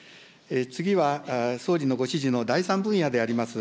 次は、総理のご指示の第３分野であります